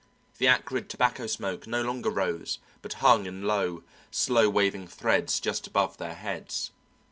The acrid tobacco smoke no longer rose, but hung in long, slow waving threads just above their heads.